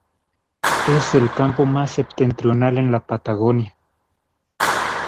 Es el campo más septentrional en la Patagonia.